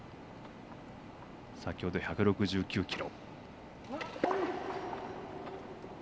先ほど１６９キロ。